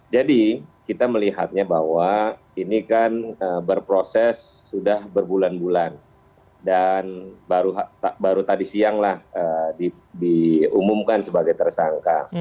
jadi kita melihatnya bahwa ini kan berproses sudah berbulan bulan dan baru tadi siang lah diumumkan sebagai tersangka